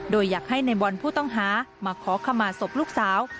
โดยอยากให้ในบอลผู้ต้องหามาขอขมาศพลูกสาว